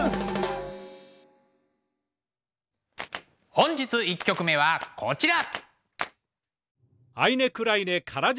本日１曲目はこちら。